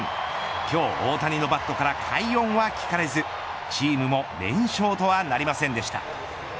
今日大谷のバットから快音は聞かれずチームも連勝とはなりませんでした。